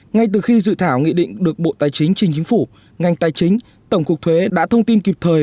ngay từ khi dự thảo nghị định được bộ tài chính trình chính phủ ngành tài chính tổng cục thuế đã thông tin kịp thời